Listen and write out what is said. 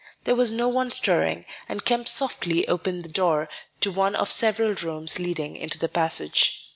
There was no one stirring, and Kemp softly opened the door of one of several rooms leading into the passage.